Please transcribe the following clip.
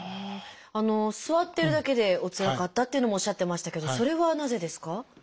あの座ってるだけでおつらかったっていうのもおっしゃってましたけどそれはなぜですか？